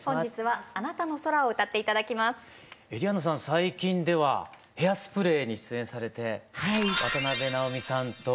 最近では「ヘアスプレー」に出演されて渡辺直美さんと共に。